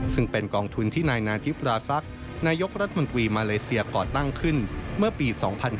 ซึ่งเป็นกองทุนที่นายนาธิปราศักดิ์นายกรัฐมนตรีมาเลเซียก่อตั้งขึ้นเมื่อปี๒๕๕๙